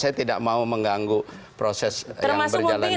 saya tidak mau mengganggu proses yang berjalan di kakumdu